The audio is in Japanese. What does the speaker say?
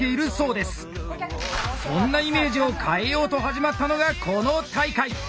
そんなイメージを変えようと始まったのがこの大会。